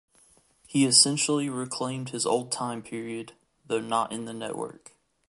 He essentially reclaimed his old time period, though not in the network.